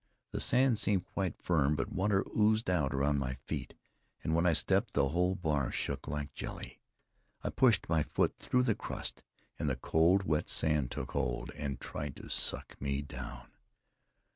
The sand seemed quite firm, but water oozed out around my feet; and when I stepped, the whole bar shook like jelly. I pushed my foot through the crust, and the cold, wet sand took hold, and tried to suck me down.